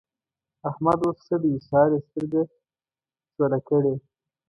احمد اوس ښه دی؛ سهار يې سترګې چوله کړې.